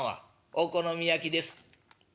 「お好み焼きです」。